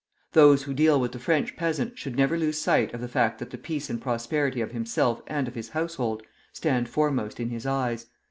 Those who deal with the French peasant should never lose sight of the fact that the peace and prosperity of himself and of his household stand foremost in his eyes.